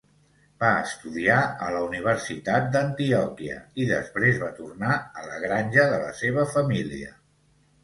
Va estudiar a la Universitat d'Antioquia i després va tornar a la granja de la seva família.